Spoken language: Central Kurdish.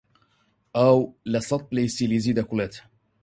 ئاو لە سەد پلەی سیلیزی دەکوڵێت.